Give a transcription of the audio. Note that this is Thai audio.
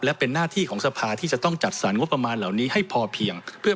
และเป็นหน้าที่ของสภาที่จะต้องจัดสรรงบประมาณเหล่านี้ให้พอเพียงเพื่อ